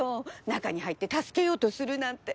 中に入って助けようとするなんて。